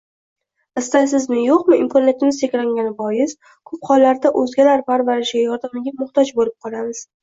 Istaymizmi, yoʻqmi, imkoniyatimiz cheklangani bois, koʻp hollarda oʻzgalar parvarishiga, yordamiga muhtoj boʻlamiz.